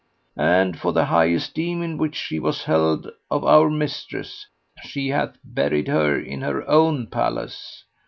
[FN#117]; and, for the high esteem in which she was held of our mistress, she hath buried her in her own palace.